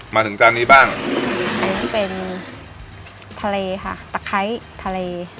มาถึงจานนี้บ้างอันนี้เป็นทะเลค่ะตะไคร้ทะเล